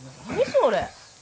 それ。